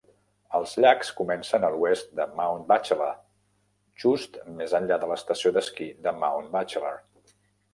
Els llacs comencen a l'oest de Mount Bachelor, just més enllà de l'estació d'esquí de Mount Bachelor.